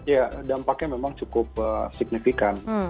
ya dampaknya memang cukup signifikan